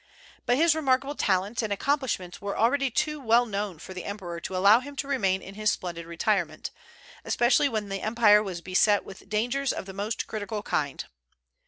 But his remarkable talents and accomplishments were already too well known for the emperor to allow him to remain in his splendid retirement, especially when the empire was beset with dangers of the most critical kind.